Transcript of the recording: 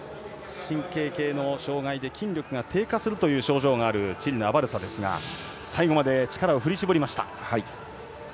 神経系の障がいで筋力が低下するという症状があるチリのアバルサですが最後まで力を振り絞りました。